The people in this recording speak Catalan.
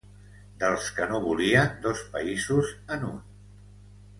Dels que no volien dos països en un.